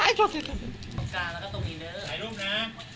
ไอ้โชคทีครับ